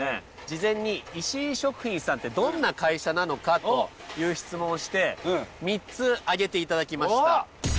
事前に石井食品さんってどんな会社なのかという質問をして３つ挙げて頂きました。